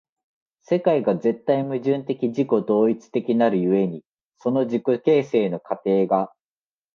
世界が絶対矛盾的自己同一的なる故に、その自己形成の過程が